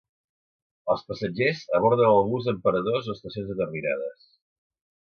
Els passatgers aborden el bus en paradors o estacions determinades.